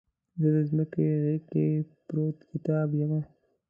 زه دمځکې غیږ کې پروت کتاب یمه